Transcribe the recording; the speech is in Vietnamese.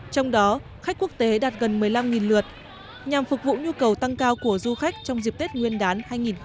trong đó khách quốc tế đạt gần một mươi năm lượt nhằm phục vụ nhu cầu tăng cao của du khách trong dịp tết nguyên đán hai nghìn hai mươi